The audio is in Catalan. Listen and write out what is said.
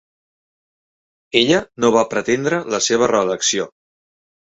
Ella no va pretendre la seva reelecció.